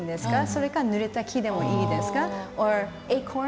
それかぬれた木でもいいですか。